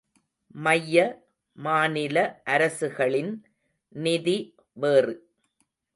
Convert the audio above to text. மைய, மாநில அரசுகளின் நிதி வேறு.